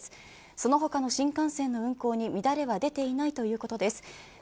その他の新幹線の運行に乱れは出ていないということです。